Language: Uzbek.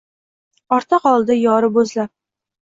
Ortda qoldi yori boʼzlab